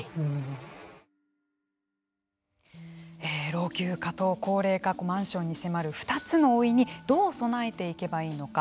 老朽化と高齢化マンションに迫る２つの老いにどう備えていけばいいのか。